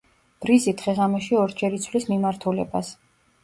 ბრიზი დღე-ღამეში ორჯერ იცვლის მიმართულებას.